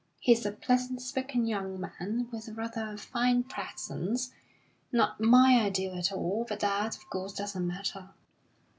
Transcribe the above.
He is a pleasant spoken young man, with a rather fine presence not my ideal at all; but that, of course, doesn't matter!